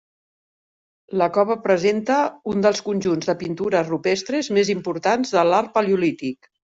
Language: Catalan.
La cova presenta un dels conjunts de pintures rupestres més importants de l'art paleolític.